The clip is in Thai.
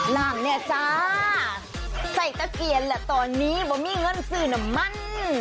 หลังเนี่ยจ้าใส่ตะเกียนแหละตอนนี้บ่มีเงินซื้อน้ำมัน